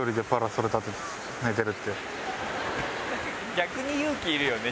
逆に勇気いるよね